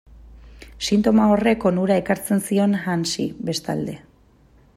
Sintoma horrek onura ekartzen zion Hansi, bestalde.